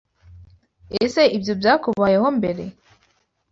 Ese ibyo byakubayeho mbere?